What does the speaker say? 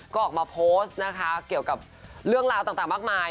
ก็ออกมาโพสต์นะคะเกี่ยวกับเรื่องราวต่างมากมาย